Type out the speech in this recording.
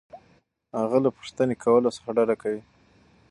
هغه له پوښتنې کولو څخه ډډه کوي.